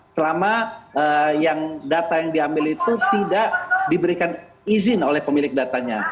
selama data yang diambil itu tidak diberikan izin oleh pemilik datanya